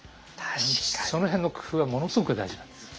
その辺の工夫はものすごく大事なんです。